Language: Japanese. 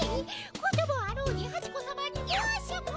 こともあろうにハチ子さまにモーションを。